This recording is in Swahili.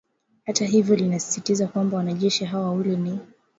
hata hivyo linasisitiza kwamba wanajeshi hao wawili ni